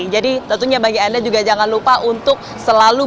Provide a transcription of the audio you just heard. jadi tentunya bagi anda juga jangan lupa untuk selalu berhati hati